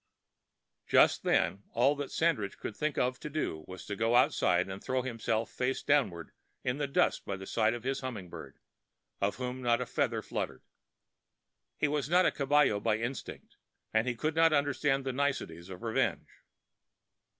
Just then all that Sandridge could think of to do was to go outside and throw himself face downward in the dust by the side of his humming bird, of whom not a feather fluttered. He was not a caballero by instinct, and he could not understand the niceties of revenge.